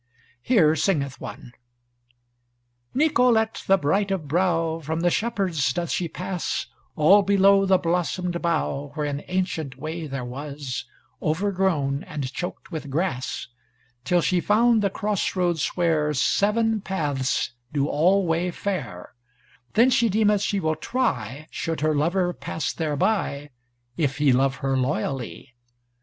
Here singeth one: Nicolete the bright of brow From the shepherds doth she pass All below the blossomed bough Where an ancient way there was, Overgrown and choked with grass, Till she found the cross roads where Seven paths do all way fare, Then she deemeth she will try, Should her lover pass thereby, If he love her loyally.